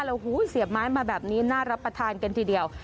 โอ้โหเสียบไม้มาแบบนี้น่ารับประทานกันทีเดียว